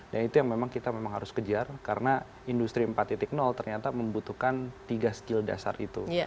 dan itu yang memang kita harus kejar karena industri empat ternyata membutuhkan tiga skill dasar itu